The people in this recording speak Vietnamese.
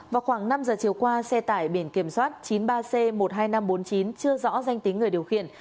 vào khoảng năm giờ chiều qua xe tải biển kiểm soát chín mươi ba c một mươi hai nghìn năm trăm bốn mươi chín chưa rõ danh tính người điều khiển